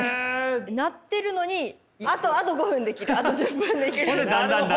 鳴ってるのに「あと５分できるあと１０分できる」みたいな。